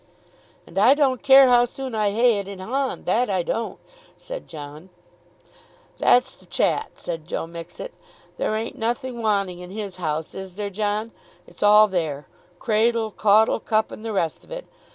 "And I don't care how soon I ha'e it in hond; that I don't," said John. "That's the chat," said Joe Mixet. "There ain't nothing wanting in his house; is there, John? It's all there, cradle, caudle cup, and the rest of it.